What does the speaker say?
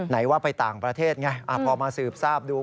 ไหนว่าไปต่างประเทศไงพอมาสืบทราบดู